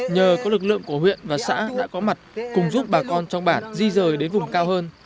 nhờ có lực lượng của huyện và xã đã có mặt cùng giúp bà con trong bản di rời đến vùng cao hơn